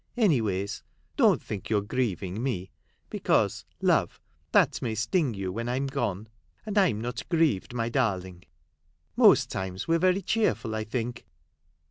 Anyways, don't think you 're grieving me, because, love, that may sting you when I 'm gone ; and I 'm not grieved, my darling. Most times we 're very cheerful, I think."